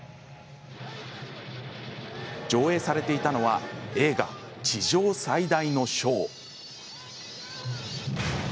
上映されていたのは映画「地上最大のショウ」。